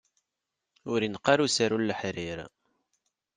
Ur ineqq ara usaru n leḥrir.